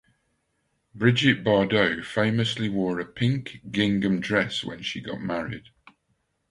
Brigitte Bardot famously wore a pink gingham dress when she got married.